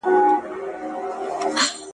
انسان نسي کولای ځان په بشپړ ډول وپیژني.